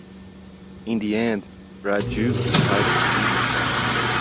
In the end, Raju decides to leave.